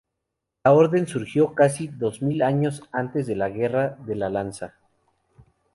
La orden surgió casi dos mil años antes de "Guerra de la Lanza".